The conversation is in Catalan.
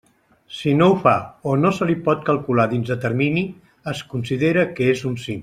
Si no ho fa o no se li pot calcular dins de termini, es considera que és un cinc.